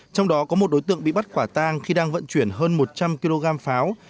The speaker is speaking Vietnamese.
trong đó có một đối tượng bị bắt quả tang khi đang vận chuyển hơn một trăm linh kg pháo